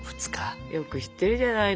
よく知ってるじゃないのよ。